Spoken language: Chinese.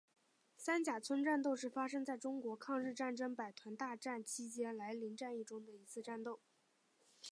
三甲村战斗是发生在中国抗日战争百团大战期间涞灵战役中的一次战斗。